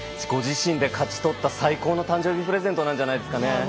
ご自身で勝ち取った最高の誕生日プレゼントじゃないんですかね。